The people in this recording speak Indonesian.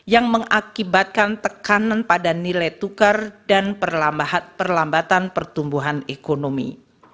yang mengakibatkan tekanan pada nilai tukar dan perlambatan pertumbuhan ekonomi